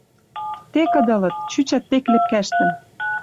Тек ыдылыт, чӱчӓт тек лепкӓштӹм